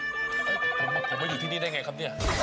ผมมาอยู่ที่นี่ได้อย่างไรครับนี่